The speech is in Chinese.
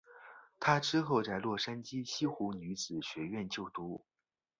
她之后在洛杉矶西湖女子学院就读。